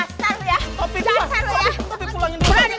berani berani sama gua jangan lari